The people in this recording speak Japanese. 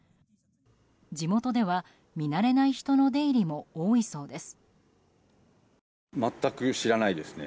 地元では、見慣れない人の出入りも多いそうです。